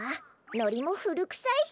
ノリもふるくさいし。